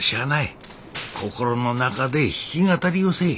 心の中で弾き語りをせい。